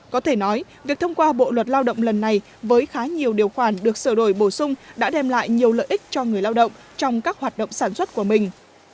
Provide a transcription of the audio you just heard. có thể nói việc thông qua bộ luật lao động lần này với khá nhiều điều khoản được sửa đổi bổ sung đã đem lại nhiều lợi ích cho người lao động trong các hoạt động sản xuất của mình